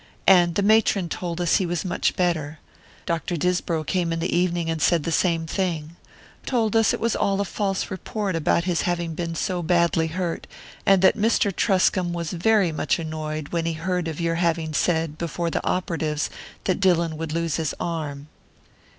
and the matron told us he was much better. Dr. Disbrow came in the evening and said the same thing told us it was all a false report about his having been so badly hurt, and that Mr. Truscomb was very much annoyed when he heard of your having said, before the operatives, that Dillon would lose his arm."